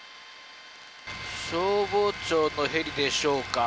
消防庁のヘリでしょうか。